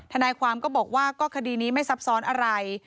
ทนายความก็บอกว่าก็คดีนี้ไม่ซับซ้อนอะไร